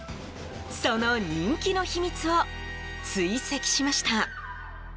その人気の秘密を追跡しました。